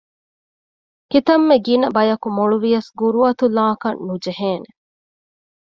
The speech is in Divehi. ކިތަންމެ ގިނަ ބަޔަކު މޮޅުވިޔަސް ގުރުއަތުލާކަށް ނުޖެހޭނެ